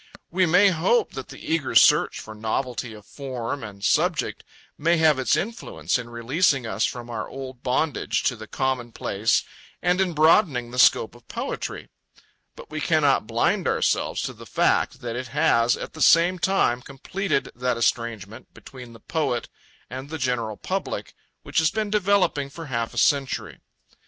We may hope that the eager search for novelty of form and subject may have its influence in releasing us from our old bondage to the commonplace and in broadening the scope of poetry; but we cannot blind ourselves to the fact that it has at the same time completed that estrangement between the poet and the general public which has been developing for half a century.